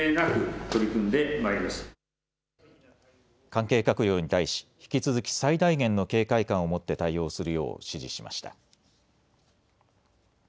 関係閣僚に対し引き続き最大限の警戒感を持って対応するよう指示しました。